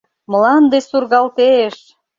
Мланде сургалтеш!